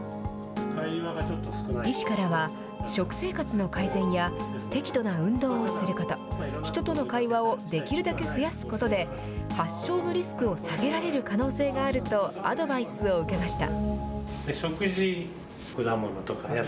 医師からは、食生活の改善や適度な運動をすること、人との会話をできるだけ増やすことで、発症のリスクを下げられる可能性があるとアドバイスを受けました。